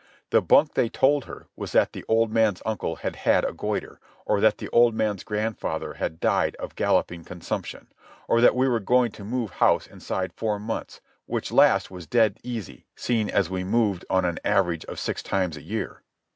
The bunk they told her was that the old man's uncle had had a goitre, or that the old man's grandfather had died of galloping consumption, or that we were going to move house inside four months, which last was dead easy, seeing as we moved on an average of six times a year."